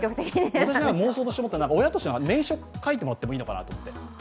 私、妄想として思ったのは親としては、念書書いてもらってもいいのかなって。